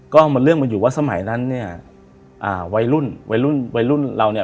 ก็มันเรื่องมันอยู่ว่าสมัยนั้นเนี่ยอ่าวัยรุ่นวัยรุ่นเราเนี่ย